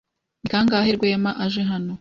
Ni kangahe Rwema aje hano?